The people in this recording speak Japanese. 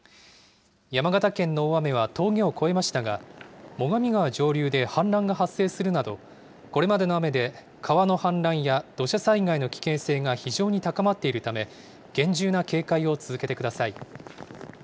山形県の大雨は峠を越えましたが、最上川上流で氾濫が発生するなど、これまでの雨で川の氾濫や土砂災害の危険性が非常に高まっているため、厳重な警戒を続けてください。